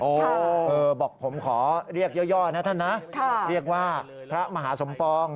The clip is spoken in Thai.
บอกผมขอเรียกย่อนะท่านนะเรียกว่าพระมหาสมปอง